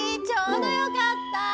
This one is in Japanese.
ちょうどよかった。